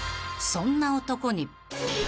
［そんな男に］